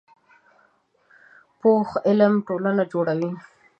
پوخ علم ټولنه جوړوي